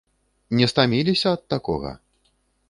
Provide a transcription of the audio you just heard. Не стаміліся ад такога?